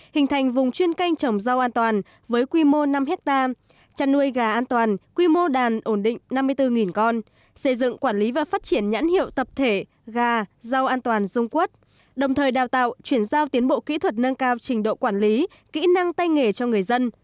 hình thành vùng chuyên canh trồng rau an toàn với quy mô năm hectare chăn nuôi gà an toàn quy mô đàn ổn định năm mươi bốn con xây dựng quản lý và phát triển nhãn hiệu tập thể gà rau an toàn dung quất đồng thời đào tạo chuyển giao tiến bộ kỹ thuật nâng cao trình độ quản lý kỹ năng tay nghề cho người dân